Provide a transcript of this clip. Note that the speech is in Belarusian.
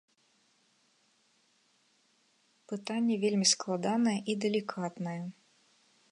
Пытанне вельмі складанае і далікатнае.